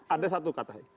ada satu kata